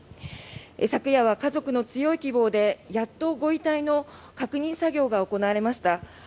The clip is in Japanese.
昨夜は家族の強い希望でやっと、ご遺体の確認作業が行われました。